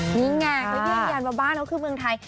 นี่ไงก็ยังยันบ้านเขาคือเมืองไทย